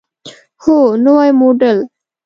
هو، نوی موډل